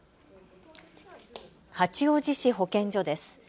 八王子市保健所です。